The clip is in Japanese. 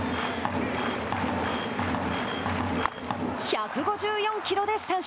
１５４キロで三振。